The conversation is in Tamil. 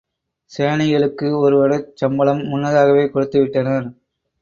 சேனைகளுக்கு ஒரு வருடச் சம்பளம் முன்னதாகவே கொடுத்து விட்டனர்.